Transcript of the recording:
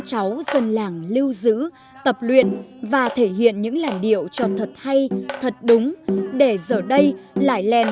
cháu dân làng lưu giữ tập luyện và thể hiện những làn điệu cho thật hay thật đúng để giờ đây lài lèn